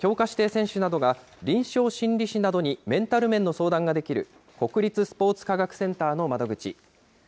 指定選手などが、臨床心理士などにメンタル面の相談ができる、国立スポーツ科学センターの窓口。